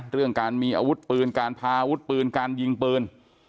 เรื่องการมีอาวุธปืนการพาอาวุธปืนการยิงปืน